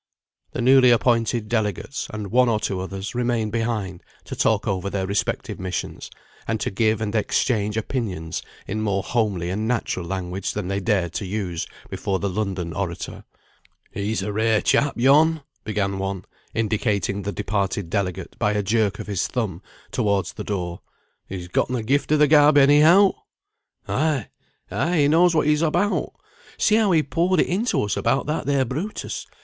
The newly appointed delegates, and one or two others, remained behind to talk over their respective missions, and to give and exchange opinions in more homely and natural language than they dared to use before the London orator. "He's a rare chap, yon," began one, indicating the departed delegate by a jerk of his thumb towards the door. "He's gotten the gift of the gab, anyhow!" "Ay! ay! he knows what he's about. See how he poured it into us about that there Brutus.